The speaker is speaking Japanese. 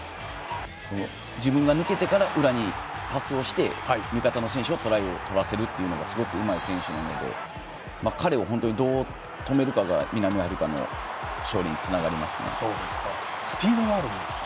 自分が裏に抜けてからパスをして味方の選手にトライを取らせるのがすごくうまい選手なので彼をどう止めるかが南アフリカの勝利にスピードがあるんですか。